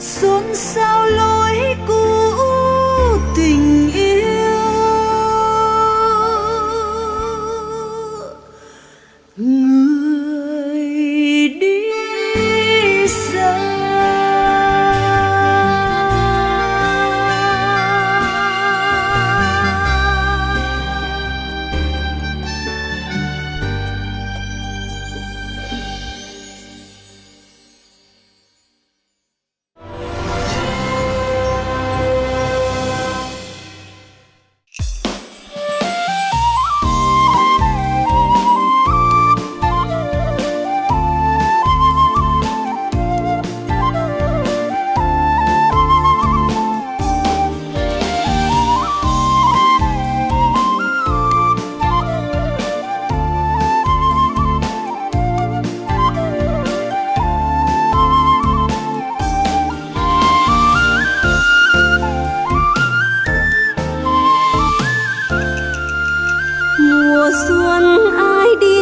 sơn sao lối cũ tình yêu người đi xa